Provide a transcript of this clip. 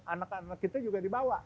anak anak kita juga dibawa